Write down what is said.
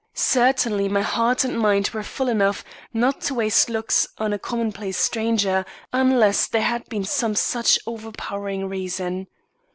Certainly my heart and mind were full enough not to waste looks on a commonplace stranger unless there had been some such overpowering reason.